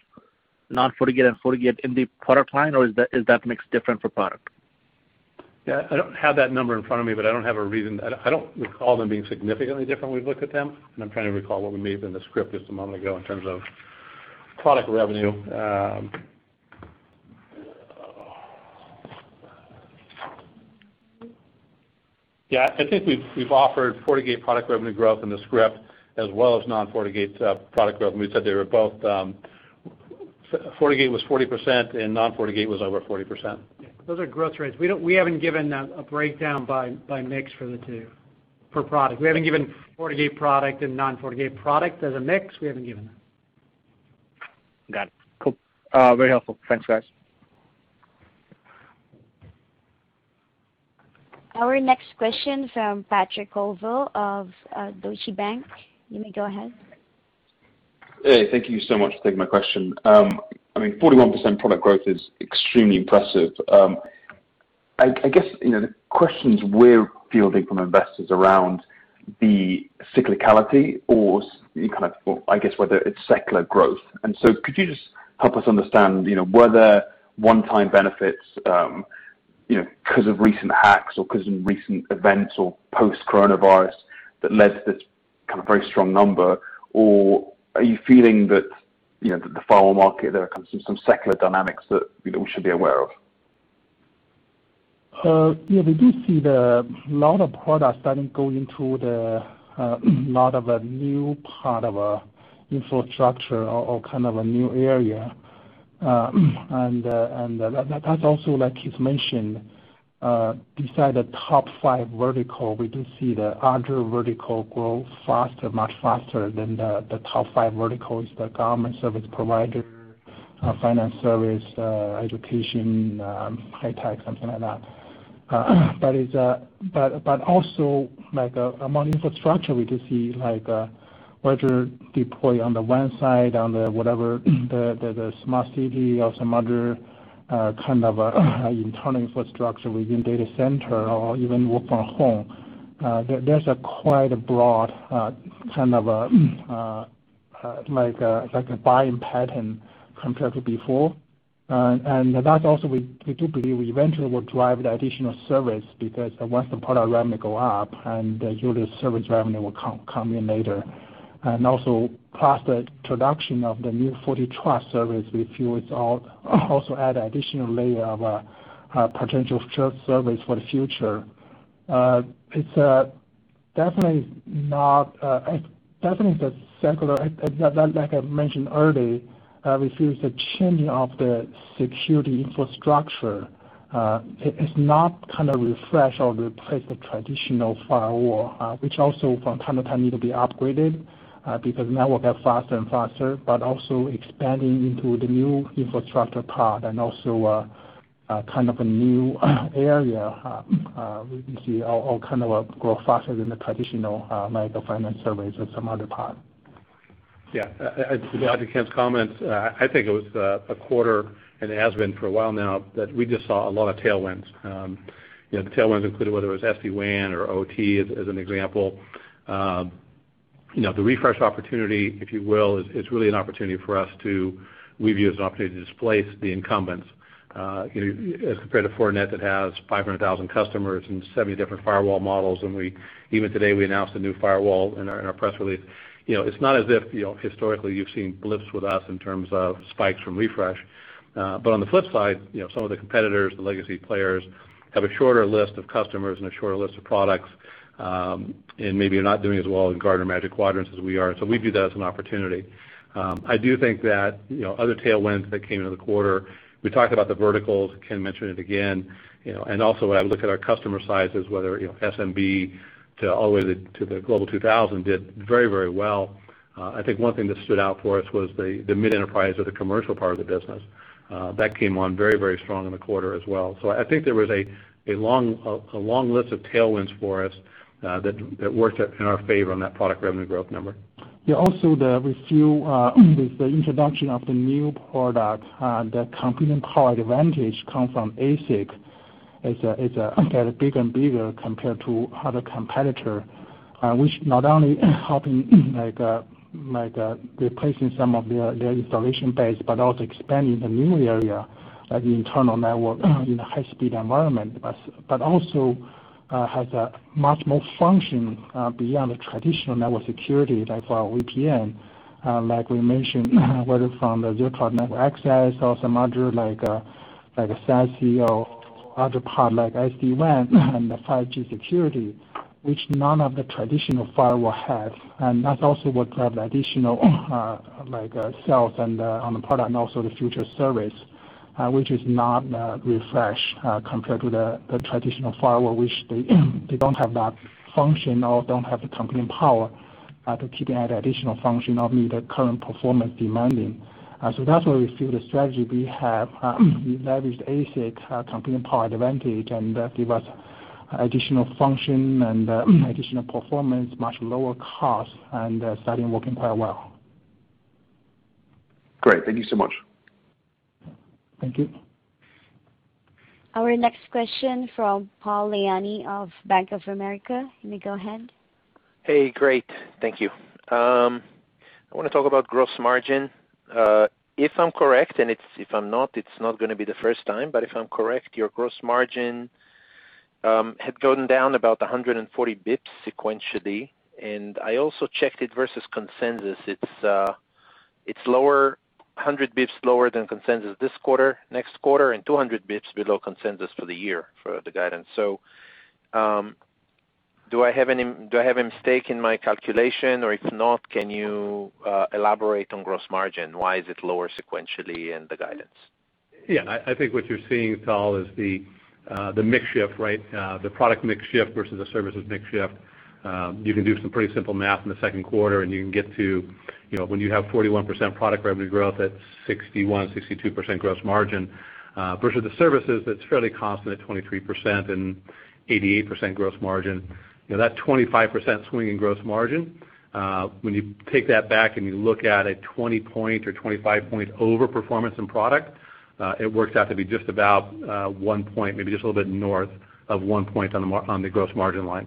non-FortiGate and FortiGate in the product line, or is that mix different for product? Yeah. I don't have that number in front of me, but I don't have a reason. I don't recall them being significantly different when we've looked at them, and I'm trying to recall what we may have in the script just a moment ago in terms of product revenue. Yeah, I think we've offered FortiGate product revenue growth in the script as well as non-FortiGate product revenue. We said they were both, FortiGate was 40% and non-FortiGate was over 40%. Yeah. Those are growth rates. We haven't given a breakdown by mix for the two, per product. We haven't given FortiGate product and non-FortiGate product as a mix. We haven't given that. Got it. Cool. Very helpful. Thanks, guys. Our next question's from Patrick Colville of Deutsche Bank. You may go ahead. Hey, thank you so much for taking my question. I mean, 41% product growth is extremely impressive. I guess the questions we're fielding from investors around the cyclicality or I guess whether it's secular growth. Could you just help us understand, were there one-time benefits? Because of recent hacks or because of recent events or post-coronavirus that led to this very strong number, or are you feeling that the firewall market, there are some secular dynamics that we should be aware of? Yeah, we do see the lot of products starting to go into the new part of infrastructure or a new area. That's also, like Keith mentioned, beside the top five vertical, we do see the other vertical grow much faster than the top five verticals, the government service provider, finance service, education, high tech, something like that. Also among infrastructure, we do see whether deploy on the WAN side, on the whatever, the smart city or some other kind of internal infrastructure within data center or even work from home. There's a quite a broad buying pattern compared to before. That also, we do believe eventually will drive the additional service because once the product revenue go up, and usually service revenue will come in later. Also past the introduction of the new FortiTrust service, we feel it's also add additional layer of potential service for the future. It's definitely the secular, like I mentioned early, we feel it's the changing of the security infrastructure. It's not refresh or replace the traditional firewall, which also from time to time need to be upgraded, because network get faster and faster, but also expanding into the new infrastructure part and also a new area, we can see all grow faster than the traditional micro finance surveys or some other part. Yeah. To add to Ken's comments, I think it was a quarter, and it has been for a while now, that we just saw a lot of tailwinds. The tailwinds included whether it was SD-WAN or OT, as an example. The refresh opportunity, if you will, we view as an opportunity to displace the incumbents, as compared to Fortinet that has 500,000 customers and 70 different firewall models, and even today, we announced a new firewall in our press release. It's not as if historically you've seen blips with us in terms of spikes from refresh. On the flip side, some of the competitors, the legacy players, have a shorter list of customers and a shorter list of products, and maybe are not doing as well in Gartner Magic Quadrants as we are. We view that as an opportunity. I do think that other tailwinds that came into the quarter, we talked about the verticals, Ken mentioned it again. Also I look at our customer sizes, whether SMB to all the way to the Global 2000 did very, very well. I think one thing that stood out for us was the mid-enterprise or the commercial part of the business. That came on very, very strong in the quarter as well. I think there was a long list of tailwinds for us that worked in our favor on that product revenue growth number. Also with the introduction of the new product, the computing power advantage come from ASIC. It's get bigger and bigger compared to other competitor, which not only helping replacing some of their installation base, but also expanding the new area, like the internal network in a high speed environment. Also has a much more function beyond the traditional network security like our VPN. Like we mentioned, whether from the Zero Trust Network Access or some other like SASE or other part like SD-WAN and the 5G security, which none of the traditional firewall have. That's also what drive the additional sales and on the product and also the future service, which is not refresh, compared to the traditional firewall, which they don't have that function or don't have the computing power to keep adding additional function or meet the current performance demanding. That's why we feel the strategy we have, we leverage the ASIC computing power advantage and give us additional function and additional performance, much lower cost, and starting working quite well. Great. Thank you so much. Thank you. Our next question from Tal Liani of Bank of America. You may go ahead. Hey, great. Thank you. I want to talk about gross margin. If I'm correct, and if I'm not, it's not going to be the first time, but if I'm correct, your gross margin had gone down about 140 basis points sequentially. I also checked it versus consensus. It's 100 basis points lower than consensus this quarter, next quarter, and 200 basis points below consensus for the year, for the guidance. Do I have a mistake in my calculation? If not, can you elaborate on gross margin? Why is it lower sequentially in the guidance? I think what you're seeing, Tal, is the mix shift, right? The product mix shift versus the services mix shift. You can do some pretty simple math in the second quarter, you can get to when you have 41% product revenue growth at 61%-62% gross margin versus the services that's fairly constant at 23% and 88% gross margin. That 25% swing in gross margin, when you take that back and you look at a 20-point or 25-point overperformance in product, it works out to be just about 1 point, maybe just a little bit north of 1 point on the gross margin line.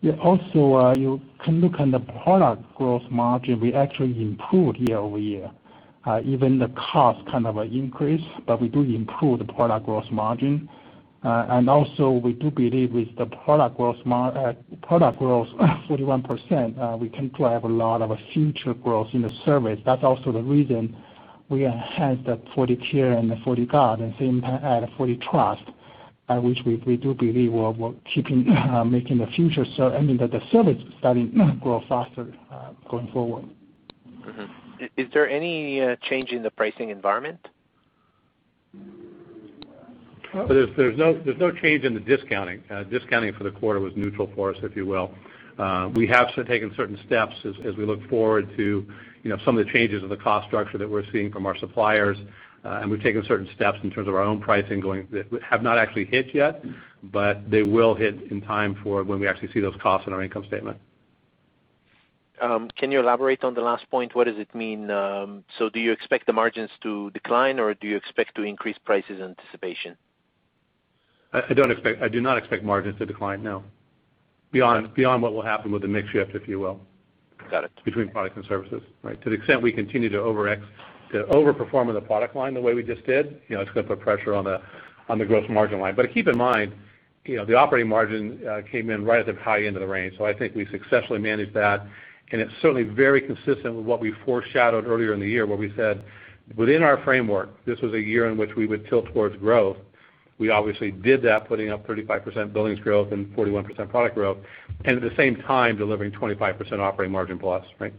Yeah. Also, you can look on the product gross margin. We actually improved year-over-year. Even the cost kind of increased, but we do improve the product gross margin. Also, we do believe with the product growth 41%, we can drive a lot of future growth in the service. That's also the reason we enhanced the FortiCare and the FortiGuard, and same add FortiTrust, which we do believe will keep making the future, and that the service starting to grow faster going forward. Mm-hmm. Is there any change in the pricing environment? There's no change in the discounting. Discounting for the quarter was neutral for us, if you will. We have taken certain steps as we look forward to some of the changes of the cost structure that we're seeing from our suppliers. We've taken certain steps in terms of our own pricing that have not actually hit yet, but they will hit in time for when we actually see those costs in our income statement. Can you elaborate on the last point? What does it mean? Do you expect the margins to decline, or do you expect to increase prices anticipation? I do not expect margins to decline, no. Beyond what will happen with the mix shift, if you will. Got it. Between product and services, right? To the extent we continue to over-perform in the product line the way we just did, it's going to put pressure on the gross margin line. Keep in mind, the operating margin came in right at the high end of the range. I think we successfully managed that, and it's certainly very consistent with what we foreshadowed earlier in the year, where we said, within our framework, this was a year in which we would tilt towards growth. We obviously did that, putting up 35% billings growth and 41% product growth, and at the same time delivering 25% operating margin plus, right?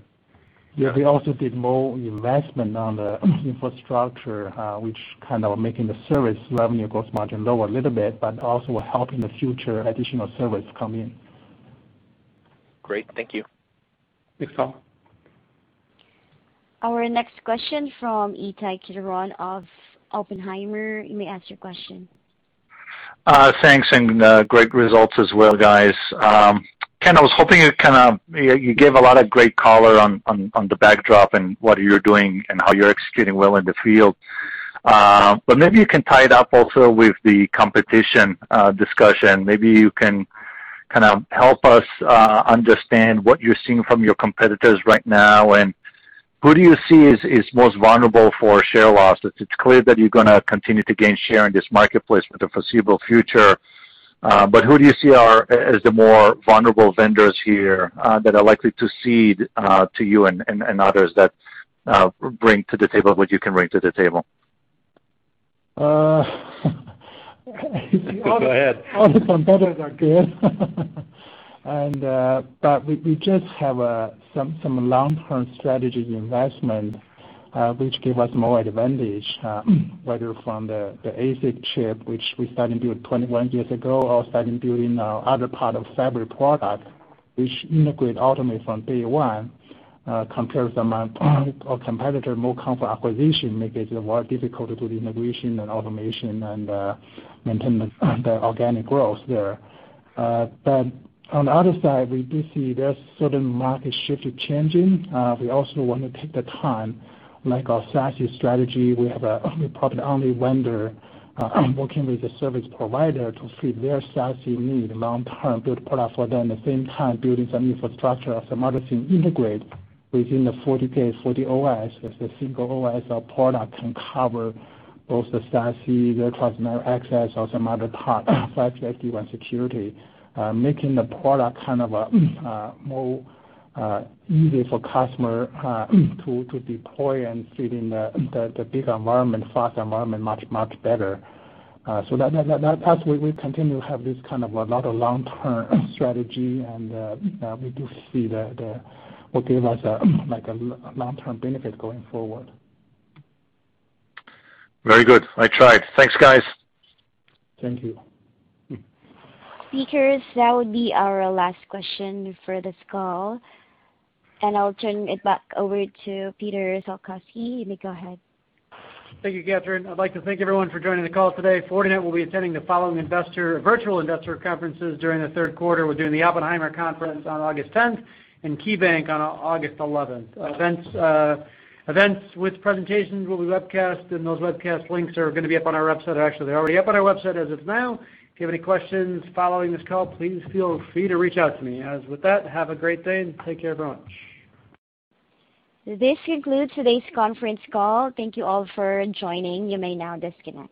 Yeah. We also did more investment on the infrastructure, which kind of making the service revenue gross margin low a little bit, but also helping the future additional service come in. Great. Thank you. Thanks, Tal. Our next question from Ittai Kidron of Oppenheimer. You may ask your question. Thanks, great results as well, guys. Ken, You gave a lot of great color on the backdrop and what you're doing and how you're executing well in the field. Maybe you can tie it up also with the competition discussion. Maybe you can help us understand what you're seeing from your competitors right now, and who do you see is most vulnerable for share losses? It's clear that you're going to continue to gain share in this marketplace for the foreseeable future. Who do you see as the more vulnerable vendors here that are likely to cede to you and others that bring to the table what you can bring to the table? Go ahead. All the competitors are good. We just have some long-term strategies investment, which give us more advantage, whether from the ASIC chip, which we started building 21 years ago, or started building other part of fabric product, which integrate ultimately from day one. Compared to some of competitor, more come from acquisition, make it a lot difficult to do the integration and automation and maintain the organic growth there. On the other side, we do see there's certain market shift changing. We also want to take the time, like our SASE strategy. We have a product-only vendor working with the service provider to fit their SASE need long term, build product for them. At the same time, building some infrastructure as a model to integrate within the FortiGate, FortiOS, as a single OS product can cover both the SASE, virtual access or some other part, such as security. Making the product kind of more easy for customer to deploy and fit in the bigger environment, fast environment much better. That path, we continue to have this kind of a lot of long-term strategy, and we do see that will give us a long-term benefit going forward. Very good. I tried. Thanks, guys. Thank you. Speakers, that would be our last question for this call. I'll turn it back over to Peter Salkowski. You may go ahead. Thank you, Catherine. I'd like to thank everyone for joining the call today. Fortinet will be attending the following virtual investor conferences during the third quarter. We're doing the Oppenheimer Conference on August 10th and KeyBanc Capital Markets on August 11th. Events with presentations will be webcast, and those webcast links are going to be up on our website. Actually, they're already up on our website as of now. If you have any questions following this call, please feel free to reach out to me. As with that, have a great day and take care, everyone. This concludes today's conference call. Thank you all for joining. You may now disconnect.